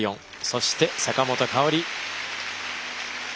そして坂本花織。